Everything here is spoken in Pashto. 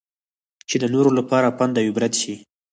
چې د نورو لپاره پند اوعبرت شي.